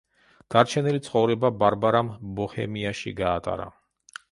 დარჩენილი ცხოვრება ბარბარამ ბოჰემიაში გაატარა.